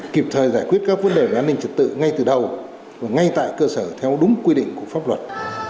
kịp thời giải quyết các vấn đề về an ninh trật tự ngay từ đầu và ngay tại cơ sở theo đúng quy định của pháp luật